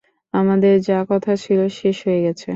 আমাদের যা কথা ছিল শেষ হয়ে গেছে।